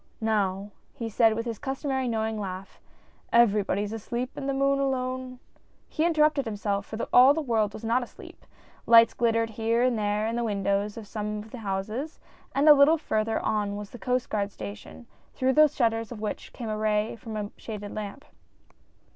" Now," he said with his customary knowing laugh, "everybody is asleep and the moon alone —" He interrupted himself, for all the world was not asleep ; lights glittered here and there in the windows of some of the houses, and a little further on was the Coast Guard station, through the shutters of which came a ray from a shaded lamp.